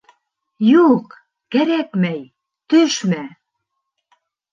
— Юҡ, кәрәкмәй, төшмә.